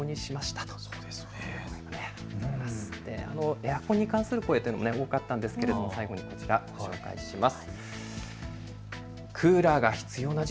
エアコンに関する声、多かったんですけれど最後にこちら、ご紹介します。